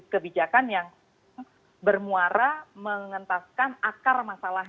kebijakan yang bermuara mengentaskan akar masalah